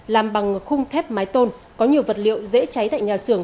làm bằng khung thép mái tôn có nhiều vật liệu dễ cháy tại nhà xưởng